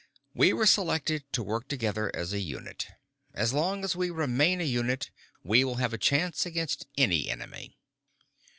"We were selected to work together as a unit. As long as we remain a unit, we will have a chance against any enemy."